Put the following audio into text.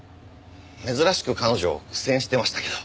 珍しく彼女苦戦してましたけど。